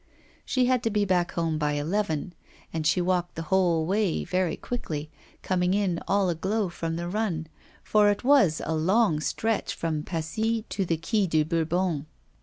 She had to be back home by eleven, and she walked the whole way very quickly, coming in all aglow from the run, for it was a long stretch from Passy to the Quai de Bourbon.